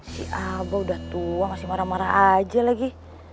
si abah udah tua masih marah marah aja lagi